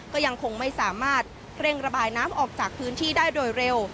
ก็ยังคงไม่สามารถเร่งระบายน้ำออกจากพื้นที่ได้โดยเร็ว